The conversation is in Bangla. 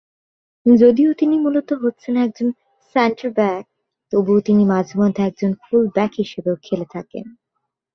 যদিও তিনি মূলত হচ্ছেন একজন সেন্টার-ব্যাক, তবুও তিনি মাঝেমধ্যে একজন ফুল-ব্যাক হিসেবেও খেলে থাকেন।